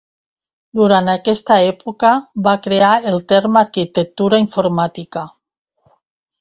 Durant aquesta època, va crear el terme arquitectura informàtica.